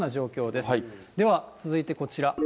では、続いてこちら。